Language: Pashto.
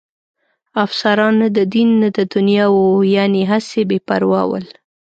افسران نه د دین نه د دنیا وو، یعنې هسې بې پروا ول.